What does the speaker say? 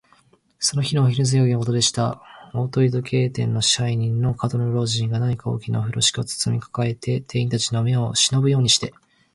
その日のお昼すぎのことでした。大鳥時計店の支配人の門野老人が、何か大きなふろしき包みをかかえて、店員たちの目をしのぶようにして、